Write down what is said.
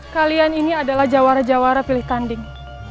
kalian ini adalah jawara jawara pilih tanding